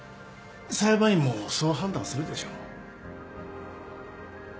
裁判員もそう判断するでしょう。